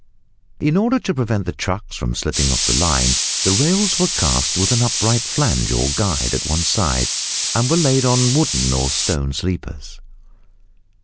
In order to prevent the trucks from slipping off the line the rails were cast with an upright flange or guide at one side, and were laid on wooden or stone sleepers.